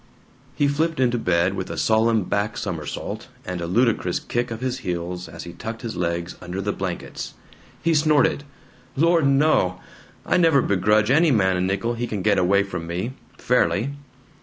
He flipped into bed with a solemn back somersault and a ludicrous kick of his heels as he tucked his legs under the blankets. He snorted, "Lord no! I never begrudge any man a nickel he can get away from me fairly."